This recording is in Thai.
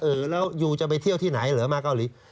เออแล้วยูจะไปเที่ยวที่ไหนเหรอมาเกาหลี